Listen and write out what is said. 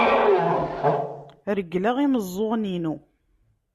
Regleɣ imeẓẓuɣen-inu.